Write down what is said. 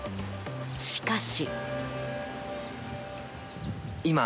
しかし。